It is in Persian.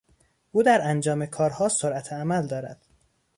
او در انجام کارها سرعت عمل دارد.